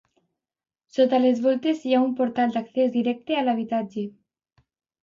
Sota les voltes hi ha un portal d'accés directe a l'habitatge.